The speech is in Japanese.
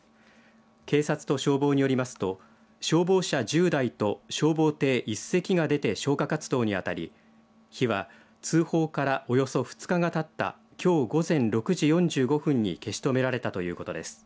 警察と消防によりますと消防車１０台と消防艇１隻が出て消火活動に当たり火は通報からおよそ２日がたったきょう午前６時４５分に消し止められたということです。